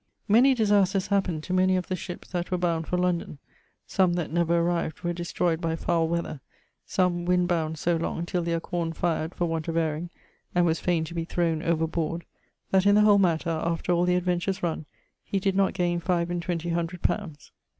Many disasters happened to many of the shippes that were bound for London (some that never arrived were destroyed by foule weather; some wind bound so long till their corne fired for want of ayering, and was faine to be throwne over board) that in the whole matter, after all the adventures runne, he did not gaine five and twenty hundred pounds.